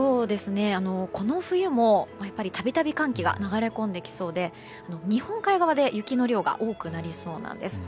この冬も度々、寒気が流れ込んできそうで日本海側で雪の量が多くなりそうなんです。